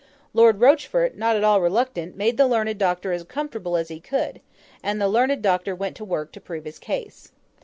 Lord Rochfort, not at all reluctant, made the learned Doctor as comfortable as he could; and the learned Doctor went to work to prove his case.